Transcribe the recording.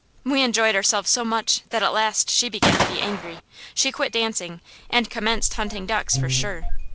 We enjoyed ourselves so much that at last she began to be angry. She quit dancing, and commenced hunting ducks, for sure.